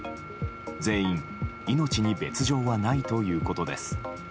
全員、命に別条はないということです。